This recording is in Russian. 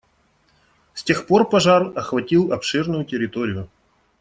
С тех пор пожар охватил обширную территорию.